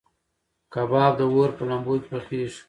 کباب د اور په لمبو کې پخېږي.